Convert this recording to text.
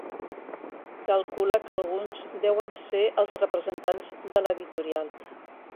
Calcula que alguns deuen ser els representants de l'editorial.